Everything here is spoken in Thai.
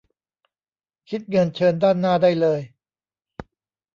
คิดเงินเชิญด้านหน้าได้เลย